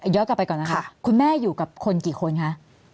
ย้อนกลับไปก่อนนะคะคุณแม่อยู่กับคนกี่คนคะ